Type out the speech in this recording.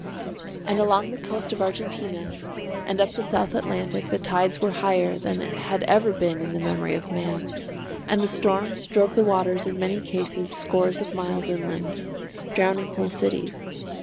And along the coast of Argentina and up the South Atlantic the tides were higher than had ever been in the memory of man, and the storms drove the waters in many cases scores of miles inland, drowning whole cities.